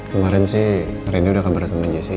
kemarin sih reni udah kabar sama jessy